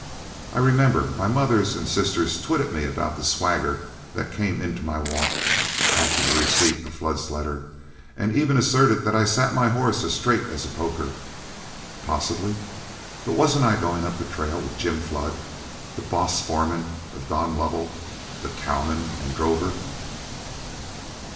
I remember my mother and sisters twitted me about the swagger that came into my walk, after the receipt of Flood's letter, and even asserted that I sat my horse as straight as a poker. Possibly! but wasn't I going up the trail with Jim Flood, the boss foreman of Don Lovell, the cowman and drover?